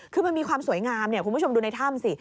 คือมันมีความสวยงามคุณผู้ชมดูในถ้ำสิ